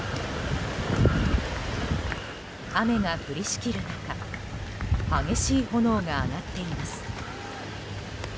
雨が降りしきる中激しい炎が上がっています。